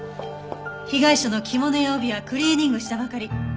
被害者の着物や帯はクリーニングしたばかり。